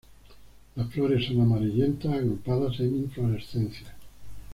Las flores son amarillentas, agrupadas en inflorescencia.